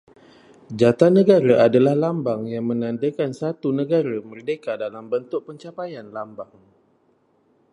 Jata negara adalah lambang yang menandakan satu negara merdeka dalam bentuk pencapaian lambang